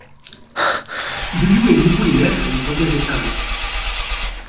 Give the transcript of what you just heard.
Bullioud aime beaucoup les lettres et il protège les savants.